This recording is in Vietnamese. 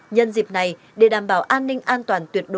nhân dịp này để đảm bảo an ninh an toàn tuyệt đối